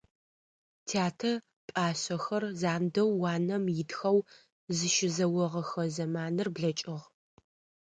Тятэ пӏашъэхэр зандэу уанэм итхэу зыщызэогъэхэ зэманыр блэкӀыгъ.